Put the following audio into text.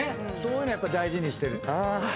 そういうのやっぱ大事にして。